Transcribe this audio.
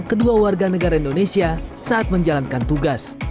kedua warga negara indonesia saat menjalankan tugas